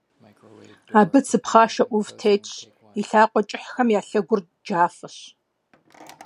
Абы цы пхъашэ Ӏув тетщ, и лъакъуэ кӀыхьхэм я лъэгур джафэщ.